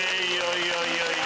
いやいやいやいや。